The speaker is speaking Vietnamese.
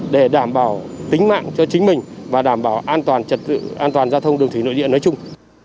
để đảm bảo tính mạng cho chính mình và đảm bảo an toàn giao thông đường thủy nội địa nói chung